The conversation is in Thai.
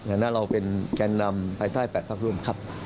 ฉะนั้นเราเป็นแก่นำภัยไทยแปดภักษ์ร่วมครับ